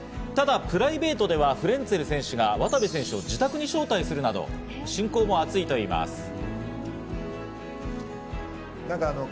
ただ、プライベートではフレンツェル選手が渡部選手を自宅に招待するなど親交も厚いといいます。